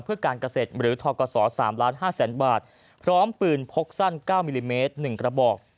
เพื่อการเกษตรหรือทกศ๓ล้าน๕แสนบาทพร้อมปืนพกสั้น๙มิลลิเมตร๑กระบอก